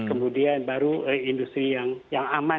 kemudian baru industri yang aman